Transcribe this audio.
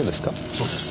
そうです。